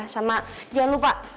sama jangan lupa